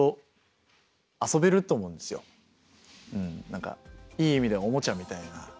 やっぱでも何かいい意味でおもちゃみたいな。